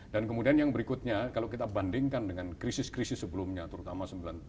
dan kemudian yang berikutnya kalau kita bandingkan dengan krisis krisis sebelumnya terutama sembilan puluh tujuh sembilan puluh delapan